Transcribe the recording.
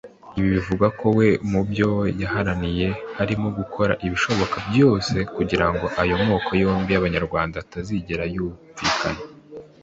Ibi bivuga ko we mubyo yaharaniye harimo gukora ibishoboka byose kugirango aya moko yombi y’abanyarwanda atazigera yumvikana